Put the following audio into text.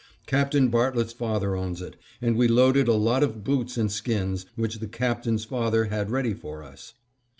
Captain Bartlett's father owns it, and we loaded a lot of boots and skins, which the Captain's father had ready for us.